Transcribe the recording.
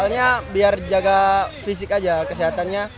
soalnya biar jaga fisik aja kesehatannya